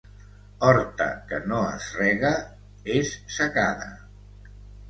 Horta que no es rega... és secada.